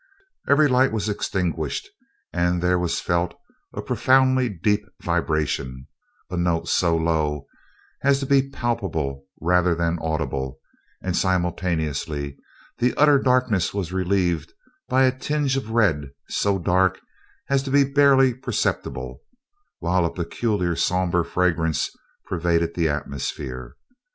Every light was extinguished and there was felt a profoundly deep vibration a note so low as to be palpable rather than audible; and simultaneously the utter darkness was relieved by a tinge of red so dark as to be barely perceptible, while a peculiar somber fragrance pervaded the atmosphere.